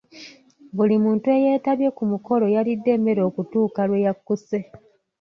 Buli muntu eyeetabye ku mukolo yalidde emmere okutuuka lwe yakkuse.